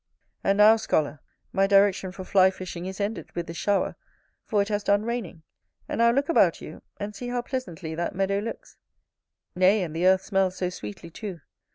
And now, scholar, my direction for fly fishing is ended with this shower, for it has done raining. And now look about you, and see how pleasantly that meadow looks; nay, and the earth smells so sweetly too.